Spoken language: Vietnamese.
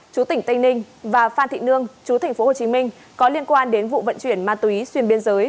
chú tỉnh tây ninh và phan thị nương chú tp hcm có liên quan đến vụ vận chuyển ma túy xuyên biên giới